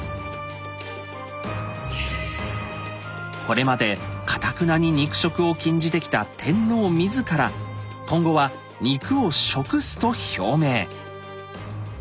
これまでかたくなに肉食を禁じてきた天皇自ら今後は肉を食すと表明。